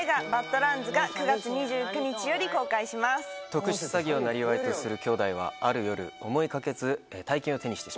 特殊詐欺をなりわいとするきょうだいはある夜思いがけず大金を手にしてしまいます。